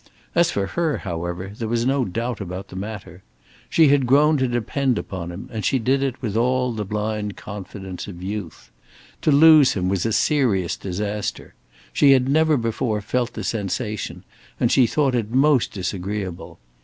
As for her, however, there was no doubt about the matter. She had grown to depend upon him, and she did it with all the blind confidence of youth. To lose him was a serious disaster. She had never before felt the sensation, and she thought it most disagreeable.